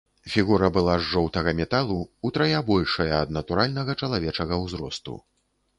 Фігура была з жоўтага металу, утрая большая ад натуральнага чалавечага ўзросту.